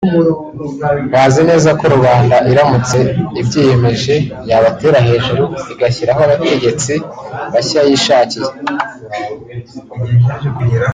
Bazi neza ko rubanda iramutse ibyiyemeje yabatera hejuru igashyiraho abategetsi bashya yishakiye